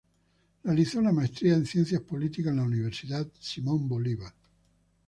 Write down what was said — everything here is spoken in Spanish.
Realizó la Maestría en Ciencia Política en la Universidad Simón Bolívar.